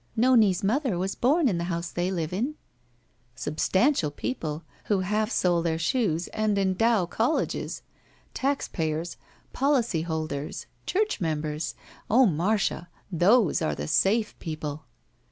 *' Nome's mother was bom in the house they live m. "Substantial people, who half sole their shoes and endow colleges. Taxpayers. Policyholders. Church members. Oh, Marcia, those are the safe people!"